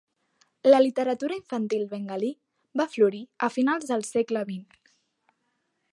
La literatura infantil bengalí va florir a finals del segle XX.